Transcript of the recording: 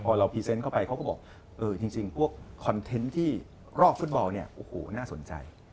พอเราพรีเซนต์เข้าไปเขาก็บอกเออจริงพวกคอนเทนต์ที่รอบฟุตบอลเนี่ยโอ้โหน่าสนใจ